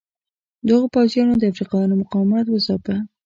دغو پوځیانو د افریقایانو مقاومت وځاپه.